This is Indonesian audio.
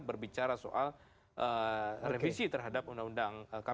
berbicara soal revisi terhadap undang undang kpk